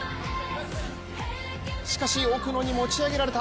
しかし奥野に持ち上げられた。